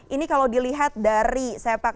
ini kalau dilihat dari sepak